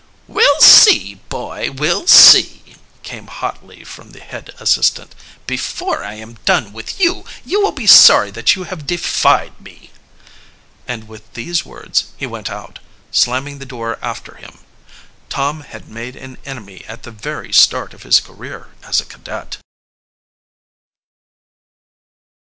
"We'll see, boy, we'll see!" came hotly from the head assistant. "Before I am done with you, you will be sorry that you have defied me!" And with these words he went out, slamming the door after him. Tom had made an enemy at the very start of his career as a cadet.